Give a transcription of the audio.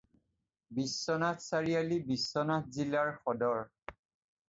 বিশ্বনাথ চাৰিআলি বিশ্বনাথ জিলাৰ সদৰ।